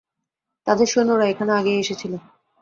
তাদের সৈন্যরা এখানে আগেই এসেছিল।